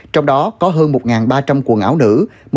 trong đó có hơn một ba trăm linh quần áo nữ